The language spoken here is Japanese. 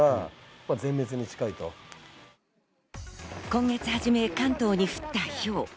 今月始め関東に降った、ひょう。